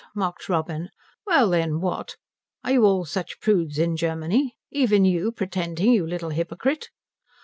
mocked Robin. "Well then, what? Are you all such prudes in Germany? Even you pretending, you little hypocrite?"